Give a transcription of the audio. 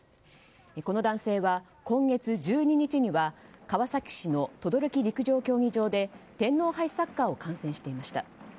この男性は今月１２日には川崎市の等々力陸上競技場で天皇杯サッカーを観戦していました。